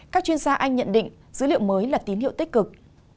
các chuyên gia anh nhận định dữ liệu mới là tín hiệu tích cực